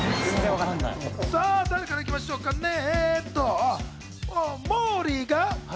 さあ、誰からいきましょうかね。